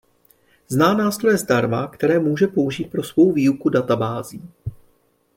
Zná nástroje zdarma, které může použít pro svou výuku databází.